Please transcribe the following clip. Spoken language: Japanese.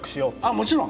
もちろん。